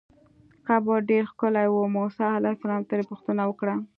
قبر ډېر ښکلی و، موسی علیه السلام ترې پوښتنه وکړه.